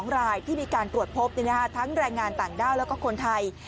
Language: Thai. ๒รายที่มีการตรวจพบทั้งแรงงานต่างด้าวแล้วก็คนไทย